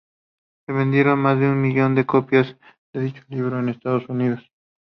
Se vendieron más de un millón de copias de dicho libro en Estados Unidos.